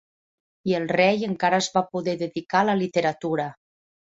I el rei encara es va poder dedicar a la literatura.